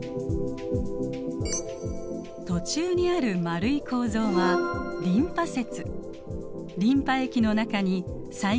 途中にある丸い構造はリンパ節。